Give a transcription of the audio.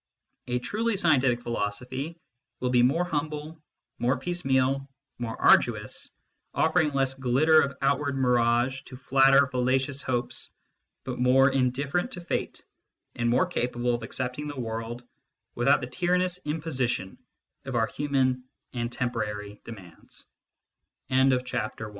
A truly scientific philosophy will be more humble, more piece meal, more arduous, offering less glitter of outward mirage to flatter fallacious hopes, but more indifferent to fate, and more capable of accepting the world without the tyrannous imposi